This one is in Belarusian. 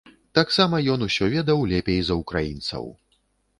Таксама ён усё ведаў лепей за ўкраінцаў.